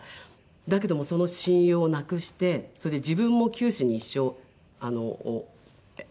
だけどもその親友を亡くしてそれで自分も九死に一生を得て生きていたんですけど。